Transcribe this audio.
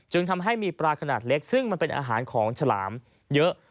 ทำให้มีปลาขนาดเล็กซึ่งมันเป็นอาหารของฉลามเยอะ